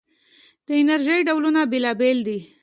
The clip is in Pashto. د انرژۍ ډولونه بېلابېل دي.